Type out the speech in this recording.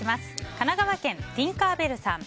神奈川県の方。